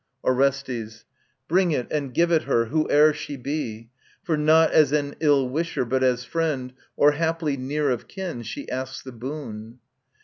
ORESTES Bring it and give it her, whoe'er she be ; For not as an ill wisher, but as friend, _Or haply near of kin, she asks the boon.